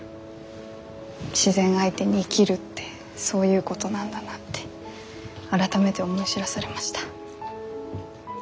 自然相手に生きるってそういうことなんだなって改めて思い知らされました。